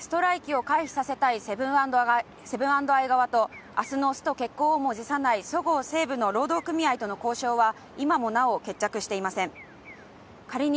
ストライキを回避させたいセブン＆アイ側と明日のスト決行も辞さないそごう・西武の労働組合との交渉は今もなお決着していません